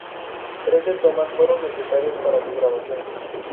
Trece tomas fueron necesarias para su grabación.